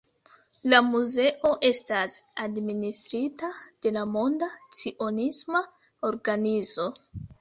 La muzeo estas administrita de la Monda Cionisma Organizo.